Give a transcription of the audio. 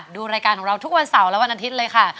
ดูรายการของเราทุกวันเสาร์และวันอาทิตย์เลยค่ะ